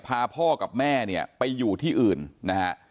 พาพ่อกับแม่เนี่ยไปอยู่ที่อื่นนะฮะ